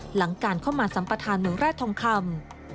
หลังการเข้ามาสัมประธานเมืองแร่ทองคำ